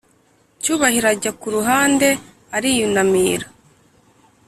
cyubahiro ajya kuruhande ariyunamira